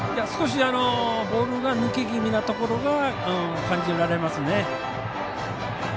少し、ボールが抜け気味なところが感じられますね。